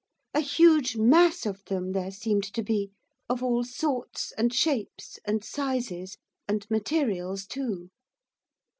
A huge mass of them there seemed to be; of all sorts, and shapes, and sizes, and materials too.